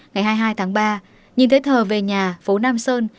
ngày hai mươi hai tháng ba nhìn thấy thờ về nhà phố nam sơn